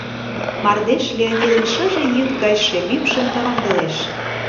Мардеж Леонидын шыже йӱд гай шем ӱпшым товаҥдылеш.